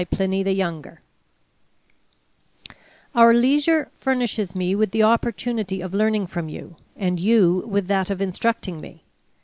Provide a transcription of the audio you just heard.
PLINY, THE YOUNGER Letter to Sura Our leisure furnishes me with the opportunity of learning from you, and you with that of instructing me.